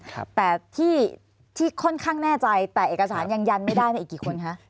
แต่ที่ที่ค่อนข้างแน่ใจแต่เอกสารยังยันไม่ได้เนี่ยอีกกี่คนคะ